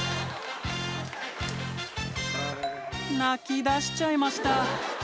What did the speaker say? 泣きだしちゃいました。